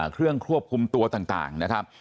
เครื่องควบคุมตัวต่างนะครับ